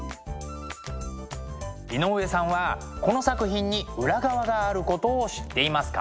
井上さんはこの作品に裏側があることを知っていますか？